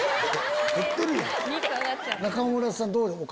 中村さんどうお金。